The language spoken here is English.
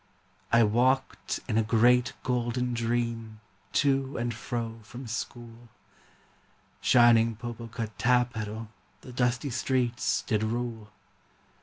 I walked in a great golden dream To and fro from school Shining Popocatapetl The dusty streets did rule.